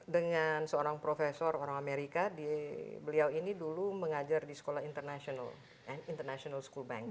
dengan seorang profesor orang amerika di beliau ini dulu mengajar di sekolah international and international school of music